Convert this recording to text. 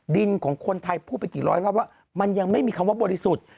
ดินของคนไทยพูดไปกี่ร้อยรอบว่ามันยังไม่มีคำว่าบริสุทธิ์